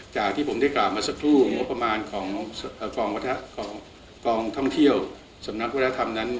จากที่ผมได้กล่าวมาสักครู่งบประมาณของกองท่องเที่ยวสำนักวัฒนธรรมนั้น